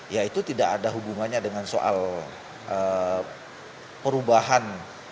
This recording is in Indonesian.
ya itu tidak ada hubungannya dengan soal perubahan